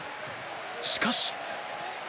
しかし。